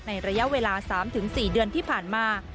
ในระยะเวลา๓๔เดือนที่ผ่านมา